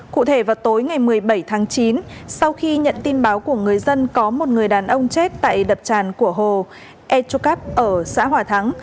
cụ thể vào tối ngày một mươi bảy tháng chín sau khi nhận tin báo của người dân có một người đàn ông chết tại đập tràn của hồ airu cup ở xã hòa thắng